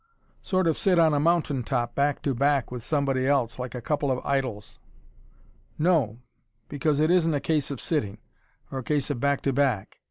"Sort of sit on a mountain top, back to back with somebody else, like a couple of idols." "No because it isn't a case of sitting or a case of back to back.